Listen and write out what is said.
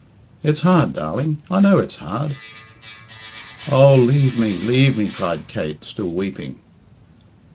It's hard, darling; I know it's hard." "Oh, leave me! leave me!" cried Kate, still weeping.